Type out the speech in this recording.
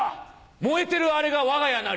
燃えてるあれが我が家なり。